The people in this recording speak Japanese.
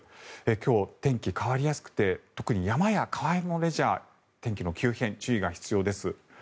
今日、天気が変わりやすくて特に山や川のレジャー天気の急変、注意が必要です。